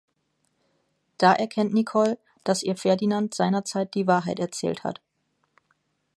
Da erkennt Nicole, dass ihr Ferdinand seinerzeit die Wahrheit erzählt hat.